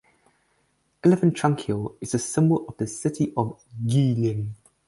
Elephant Trunk Hill is the symbol of the city of Guilin.